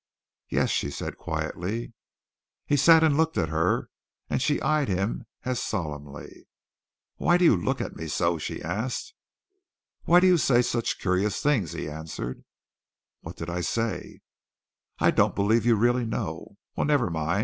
"Yes," she said quietly. He sat and looked at her, and she eyed him as solemnly. "Why do you look at me so?" she asked. "Why do you say such curious things?" he answered. "What did I say?" "I don't believe you really know. Well, never mind.